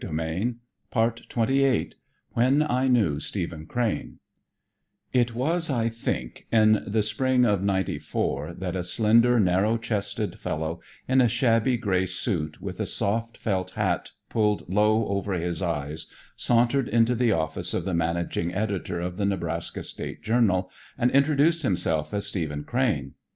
The Courier, April 7, 1900 When I Knew Stephen Crane It was, I think, in the spring of '94 that a slender, narrow chested fellow in a shabby grey suit, with a soft felt hat pulled low over his eyes, sauntered into the office of the managing editor of the Nebraska State Journal and introduced himself as Stephen Crane.